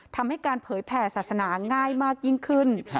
ทำให้การเผยแผ่ศาสนาง่ายมากยิ่งขึ้น